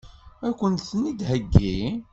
Ad kent-ten-id-theggi?